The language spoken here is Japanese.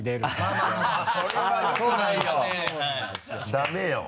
ダメよ。